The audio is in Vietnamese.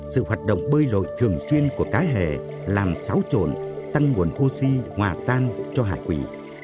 sự hoạt động bơi lội thường xuyên của cá hề làm xáo trộn tăng nguồn oxy hòa tan cho hải quỷ